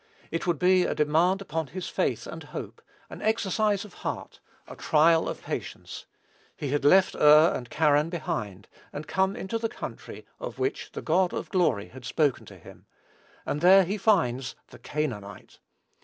It would be a demand upon his faith and hope, an exercise of heart, a trial of patience. He had left Ur and Charran behind, and come into the country of which "the God of glory" had spoken to him, and there he finds "the Canaanite."